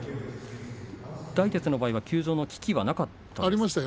大徹の場合は休場の危機はなかったんですか。